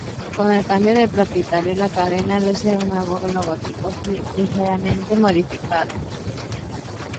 Con el cambio de propietario la cadena luce un nuevo logotipo ligeramente modificado.